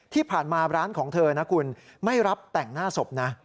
ที่ผ่านมาร้านของเธอนะคุณไม่รับแต่งหน้าศพนะ